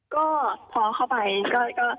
ก็พอเข้าไปก็